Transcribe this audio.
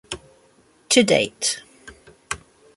To date.